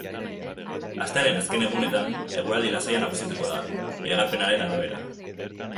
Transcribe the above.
Astearen azken egunetan, eguraldi lasaia nagusituko da, iragarpenaren arabera.